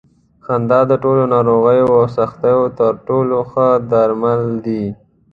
خندا د ټولو ناروغیو او سختیو تر ټولو ښه درمل دي.